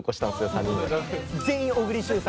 ３人で。